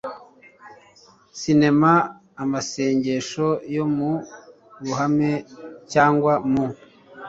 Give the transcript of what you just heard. sinema amasengesho yo mu ruhame cyangwa mu